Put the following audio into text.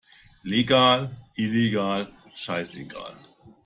Legal, illegal, scheißegal!